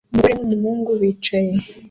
Umugore n'umuhungu bicaye